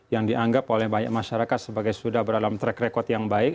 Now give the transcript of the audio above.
yang dianggap oleh banyak masyarakat sebagai sudah berada dalam track record yang baik